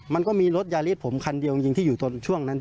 มันก็มีรถยาริสผมคันเดียวจริงที่อยู่ตอนช่วงนั้น